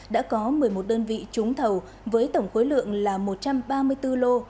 đã có một mươi một đơn vị trúng thầu với tổng khối lượng là một trăm ba mươi bốn lô